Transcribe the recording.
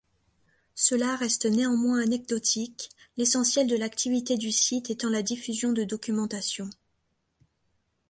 Cela reste néanmoins anecdotique, l'essentiel de l'activité du site étant la diffusion de documentations.